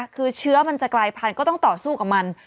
คือเชื้อมันจะกลายพันธุ์ก็ต้องต่อสู้กับมัน